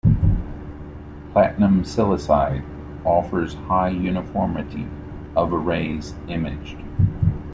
Platinum silicide offers high uniformity of arrays imaged.